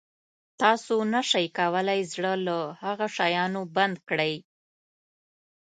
تاسو نه شئ کولای زړه له هغه شیانو بند کړئ.